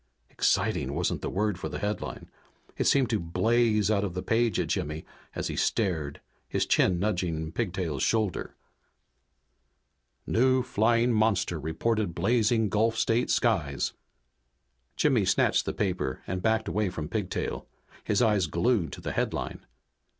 Exciting wasn't the word for the headline. It seemed to blaze out of the page at Jimmy as he stared, his chin nudging Pigtail's shoulder. NEW FLYING MONSTER REPORTED BLAZING GULF STATE SKIES Jimmy snatched the paper and backed away from Pigtail, his eyes glued to the headline.